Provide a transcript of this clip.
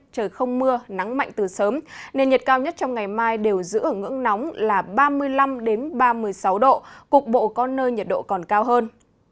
trời không mưa nắng mạnh từ sớm nên nhiệt cao nhất trong ngày mai đều giữ ở ngưỡng nóng là ba mươi năm ba mươi sáu độ cục bộ có nơi nhiệt độ còn cao hơn